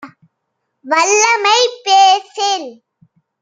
வல்லமை பேசேல்.